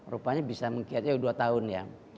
rupanya bisa mengkiatnya dua tahun ya